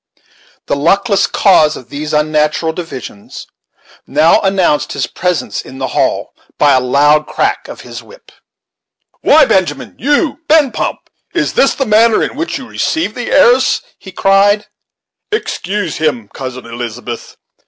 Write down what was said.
The luckless cause of these unnatural divisions now announced his presence in the halt by a loud crack of his whip. "Why, Benjamin! you Ben Pump! is this the manner in which you receive the heiress?" he cried. "Excuse him, Cousin Elizabeth.